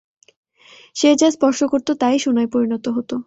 সে যা স্পর্শ করতো তাই সোনায় পরিণত হতো।